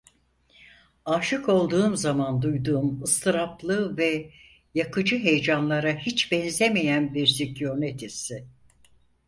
Aşık olduğum zaman duyduğum ıstıraplı ve yakıcı heyecanlara hiç benzemeyen bir sükunet hissi.